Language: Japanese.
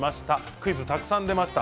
クイズたくさん出ました。